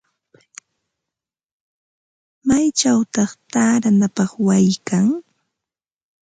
¿Maychawta taaranapaq wayi kan?